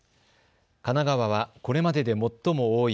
神奈川はこれまでで最も多い